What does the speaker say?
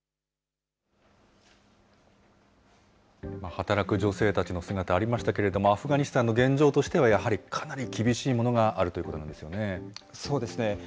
働く女性たちの姿、ありましたけれども、アフガニスタンの現状としてはやはり、かなり厳しいものがあるとそうですね。